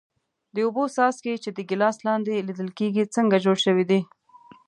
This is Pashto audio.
د اوبو څاڅکي چې د ګیلاس لاندې لیدل کیږي څنګه جوړ شوي دي؟